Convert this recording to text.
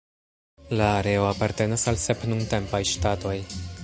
La areo apartenas al sep nuntempaj ŝtatoj.